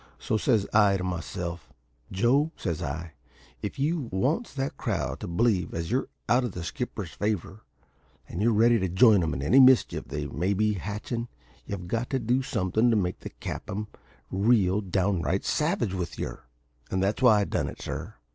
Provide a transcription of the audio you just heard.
So says I to myself, `Joe,' says I, `if you wants that crowd to believe as you're out of the skipper's favour, and are ready to join 'em in any mischief they may be hatchin', you've got to do somethin' to make the cap'n real downright savage with yer.' And that's why I done it, sir.